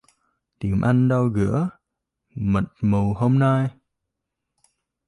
Tìm anh đâu giữa... mịt mù hôm nay!